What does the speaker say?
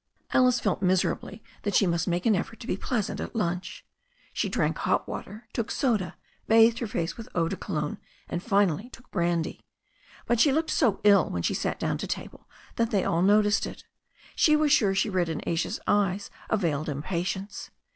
Alice felt miserably that she must make an effort to be pleasant at lunch. She drank hot water, took soda, bathed her face with eau de Cologne, and finally took hrandy. But THE STORY OF A NEW ZEALAND RIVER 307 she looked so ill when she sat down to table that they all noticed it. She was sure ^he read in Asia's eyes a veiled impatience.